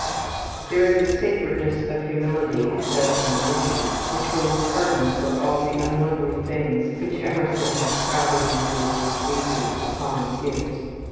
There is a sacredness of humility in such an admission which wins pardon for all the unlovely things which Emerson has crowded into a few pages upon "Gifts."